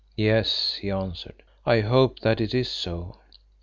"Yes," he answered, "I hope that is so.